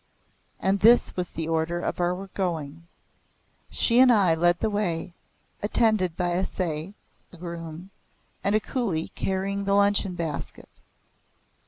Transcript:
And this was the order of our going. She and I led the way, attended by a sais (groom) and a coolie carrying the luncheon basket.